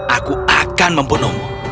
aku akan membunuhmu